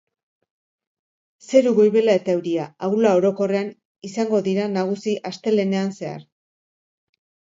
Zeru goibela eta euria, ahula orokorrean, izango dira nagusi astelehenean zehar.